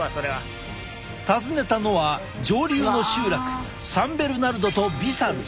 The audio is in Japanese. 訪ねたのは上流の集落サン・ベルナルドとビサル。